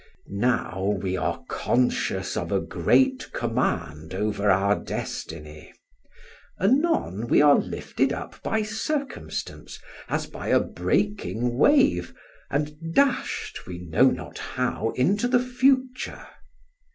Now we are conscious of a great command over our destiny; anon we are lifted up by circumstance, as by a breaking wave, and dashed we know not how into the future.